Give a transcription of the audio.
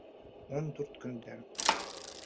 Ун дүрт көндән.